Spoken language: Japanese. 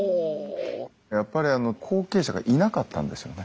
やっぱり後継者がいなかったんですよね。